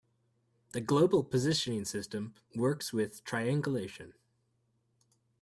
The global positioning system works with triangulation.